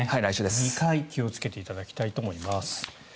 ２回気をつけていただきたいと思います。